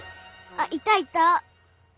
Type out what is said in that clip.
あっいたいた！